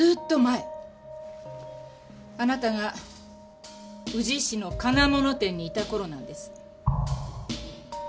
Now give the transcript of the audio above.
あなたが宇治市の金物店にいた頃なんです。